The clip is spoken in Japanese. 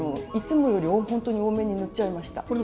いつもよりほんとに多めに塗っちゃいました。